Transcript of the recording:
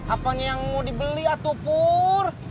apanya yang mau dibeli atau pur